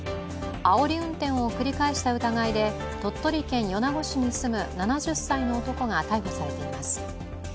あおり運転を繰り返した疑いで鳥取県米子市に住む７０歳の男が逮捕されています。